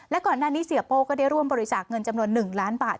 และก่อนหน้านี้เสียโป้ก็ได้ร่วมบริจาคเงินจำนวน๑ล้านบาท